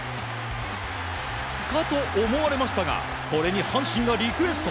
かと思われましたがこれに阪神がリクエスト。